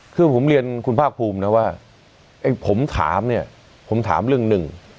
คือผมเรียนคุณภาคภูมินะว่าไอ้ผมถามเนี่ยผมถามเรื่องหนึ่ง